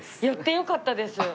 寄ってよかったです。